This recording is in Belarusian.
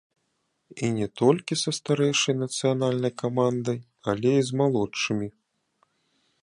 І не толькі са старэйшай нацыянальнай камандай, але і з малодшымі.